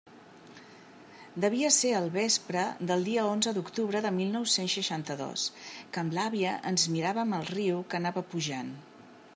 Devia ser el vespre del dia onze d'octubre de mil nou-cents seixanta-dos, que amb l'àvia ens miràvem el riu que anava pujant.